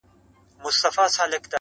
مثبت فکر بريا راوړي.